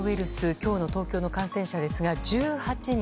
今日の東京の感染者ですが１８人。